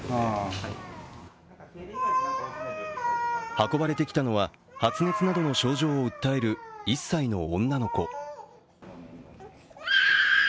運ばれてきたのは、発熱などの症状を訴える１歳の女の子。